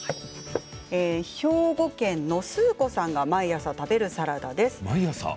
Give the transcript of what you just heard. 兵庫県のすぅこさんが毎朝食べるサラダです。